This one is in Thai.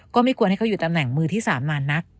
ก็ไม่ควรให้เขาอยู่ตำแหน่งมือที่๓นานนัก